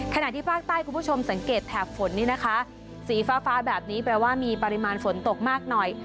ขณะที่ภาคใต้คุณผู้ชมสังเกตแถบฝนนี่นะคะสีฟ้าฟ้าแบบนี้แปลว่ามีปริมาณฝนตกมากหน่อย